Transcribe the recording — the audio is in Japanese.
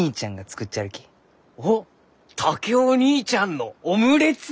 おっ竹雄義兄ちゃんのオムレツ？